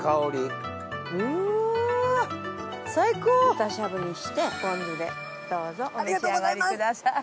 豚しゃぶにしてポン酢でどうぞお召し上がりください。